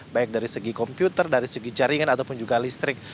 baik dari segi komputer dari segi jaringan ataupun juga listrik